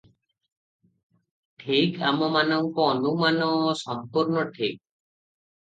ଠିକ୍ ଆମ ମାନଙ୍କ ଅନୁମାନ ସମ୍ପୂର୍ଣ୍ଣ ଠିକ୍ ।